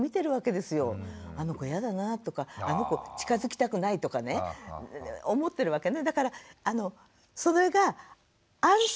あの子やだなぁとかあの子近づきたくないとかね思ってるわけね。